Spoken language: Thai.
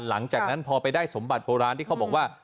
หลังจากนั้นพอไปได้สมบัติโบราณที่เขาบอกว่า